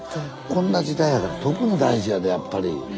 こんな時代やから特に大事やでやっぱり。ね？